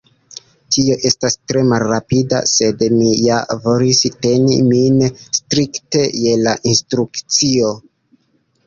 Tio estas tre malrapida, sed mi ja volis teni min strikte je la instrukcioj.